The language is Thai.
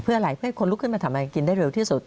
เพื่ออะไรเพื่อให้คนลุกขึ้นมาทำอะไรกินได้เร็วที่สุด